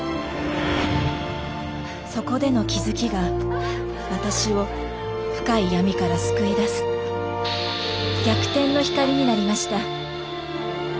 そこでの気づきが私を深い闇から救い出す逆転の光になりました。